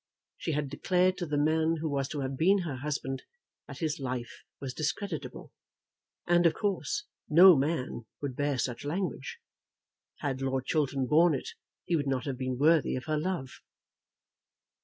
She had declared to the man who was to have been her husband that his life was discreditable, and, of course, no man would bear such language. Had Lord Chiltern borne it, he would not have been worthy of her love.